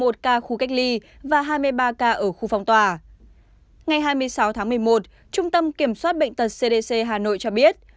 ngày hai mươi sáu tháng một mươi một trung tâm kiểm soát bệnh tật cdc hà nội cho biết